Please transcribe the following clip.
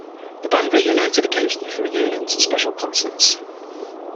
The band reunited occasionally for reunions and special concerts.